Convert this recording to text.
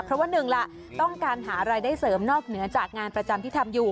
เพราะว่าหนึ่งล่ะต้องการหารายได้เสริมนอกเหนือจากงานประจำที่ทำอยู่